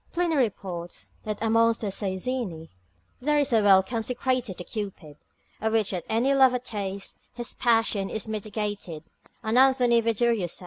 Pliny reports, that amongst the Cyzeni, there is a well consecrated to Cupid, of which if any lover taste, his passion is mitigated: and Anthony Verdurius Imag.